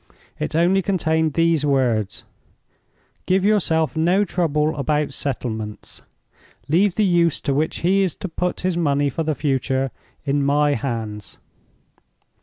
It only contained these words: "Give yourself no trouble about settlements. Leave the use to which he is to put his money for the future in my hands."